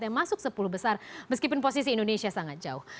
yang masuk sepuluh besar meskipun posisi indonesia sangat jauh